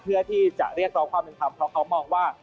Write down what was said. เพื่อที่จะเรียกร้องความเป็นธรรมเพราะเขามองว่า